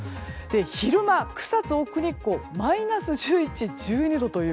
昼間、草津、奥日光マイナス１１度、１２度という。